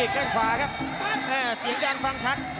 แค่งขวาครับเสียงแดงฟังชัด